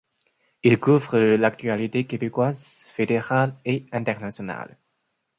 Il couvre l'actualité québécoise, fédérale et internationale.